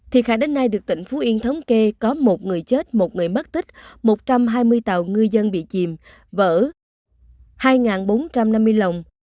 thiệt hại đến nay được tỉnh phú yên thống kê có một người chết một người mất tích một trăm hai mươi tàu ngư dân bị chìm vỡ hai bốn trăm năm mươi lồng